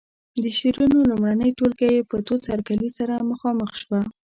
د شعرونو لومړنۍ ټولګه یې په تود هرکلي سره مخامخ شوه.